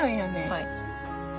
はい。